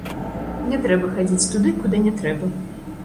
Не трэба хадзіць туды, куды не трэба.